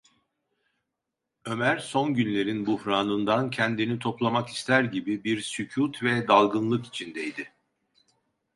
Ömer son günlerin buhranından kendini toplamak ister gibi bir sükût ve dalgınlık içindeydi.